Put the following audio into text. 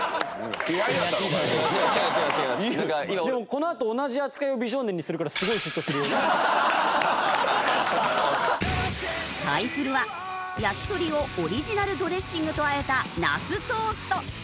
このあと同じ扱いを美少年にするから対するは焼き鳥をオリジナルドレッシングとあえた那須トースト。